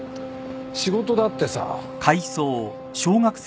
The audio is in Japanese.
仕事だってさ